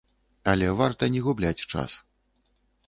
Але варта не губляць час.